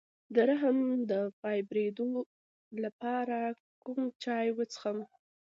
د رحم د فایبرویډ لپاره کوم چای وڅښم؟